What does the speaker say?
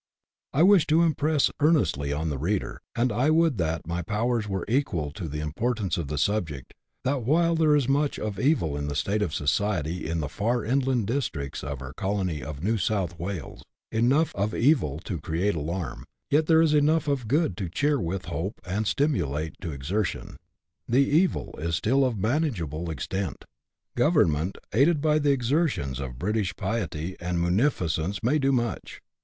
I wish to impress earnestly on the reader, and I would that my powers were equal to the importance of the subject, that, while there is much of evil in tlie state of society in the far inland districts of our colony of New South Wales, enough of evil to create alarm, yet there is enough of good to cheer with hope and stimulate to exertion. The evil is still of manageable extent. Government, aided by the exertions of British piety and munificence, may do much.